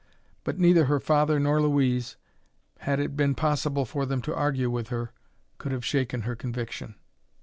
But neither her father nor Louise, had it been possible for them to argue with her, could have shaken her conviction.